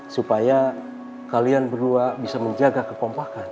supaya kalian berdua bisa menjaga kekompakan